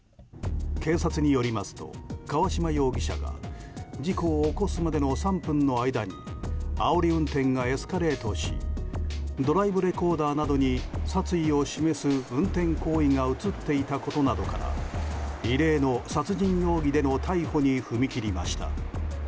警察によりますと川島容疑者が事故を起こすまでの３分の間にあおり運転がエスカレートしドライブレコーダーなどに殺意を示す運転行為が映っていたことなどから異例の殺人容疑での逮捕に踏み切りました。